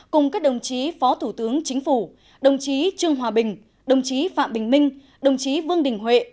cùng các đồng chí phó thủ tướng chính phủ đồng chí trương hòa bình đồng chí phạm bình minh đồng chí vương đình huệ